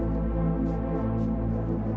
tidak perlu tanya tanya